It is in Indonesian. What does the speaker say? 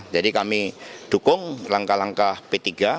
jadi kami dukung langkah langkah p tiga